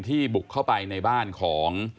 บุกเข้าไปในบ้านของ